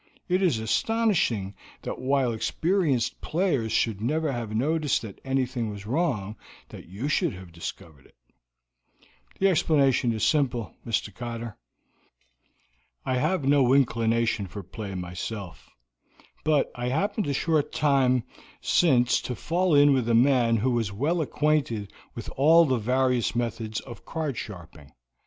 It is astonishing that while experienced players should never have noticed that anything was wrong you should have discovered it." "The explanation is simple, Mr. Cotter. I have no inclination for play myself, but I happened a short time since to fall in with a man who was well acquainted with all the various methods of card sharping.